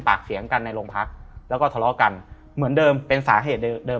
ปากเสียงกันในโรงพักแล้วก็ทะเลาะกันเหมือนเดิมเป็นสาเหตุเดิม